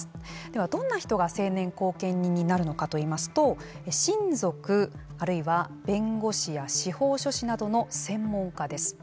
では、どんな人が成年後見人になるのかといいますと親族、あるいは弁護士や司法書士などの専門家です。